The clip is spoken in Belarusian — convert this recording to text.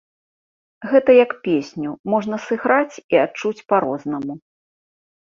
Гэта як песню можна сыграць і адчуць па-рознаму.